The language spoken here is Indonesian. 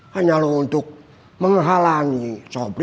hanya untuk menghalangi sopri